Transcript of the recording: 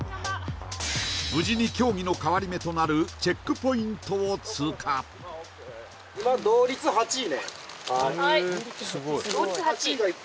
無事に競技の変わり目となるチェックポイントを通過はい同率８位？